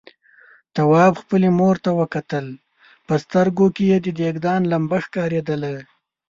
تواب خپلې مور ته وکتل، په سترګوکې يې د دېګدان لمبه ښکارېدله.